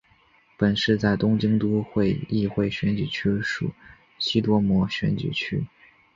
本市在东京都议会选举区中属西多摩选举区。